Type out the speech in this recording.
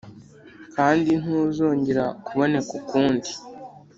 kandi ntuzongera kuboneka ukundi.